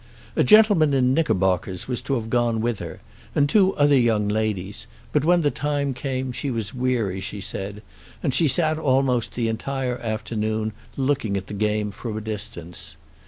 A gentleman in knickerbockers was to have gone with her, and two other young ladies; but when the time came she was weary, she said, and she sat almost the entire afternoon looking at the game from a distance.